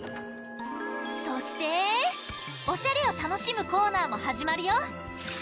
そしておしゃれをたのしむコーナーもはじまるよ。